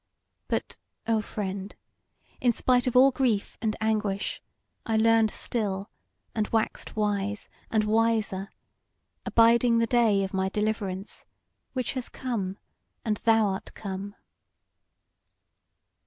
But, O friend, in spite of all grief and anguish, I learned still, and waxed wise, and wiser, abiding the day of my deliverance, which has come, and thou art come."